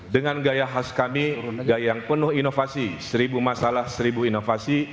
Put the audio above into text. dengan gaya khas kami gaya yang penuh inovasi seribu masalah seribu inovasi